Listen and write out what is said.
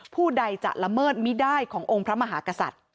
ผู้ใดจะละเมิดมิได้ขององค์พระมหากษัตริย์